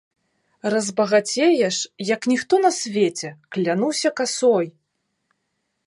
Разбагацееш, як ніхто на свеце, клянуся касой!